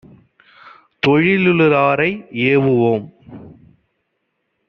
தொழிலுளாரை ஏவுவோம்.